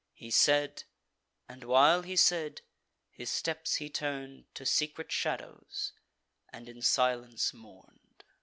He said; and, while he said, his steps he turn'd To secret shadows, and in silence mourn'd.